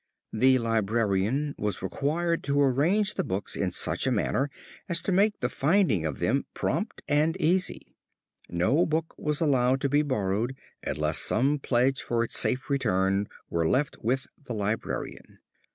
The librarian was required to arrange the books in such a manner as to make the finding of them prompt and easy. No book was allowed to be borrowed unless some pledge for its safe return were left with the librarian.